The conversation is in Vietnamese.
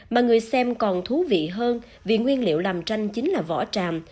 mà người xem còn thú vị hơn vì nguyên liệu làm tranh chính là vỏ tràm